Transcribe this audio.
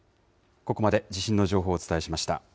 ここまで地震の情報をお伝えしました。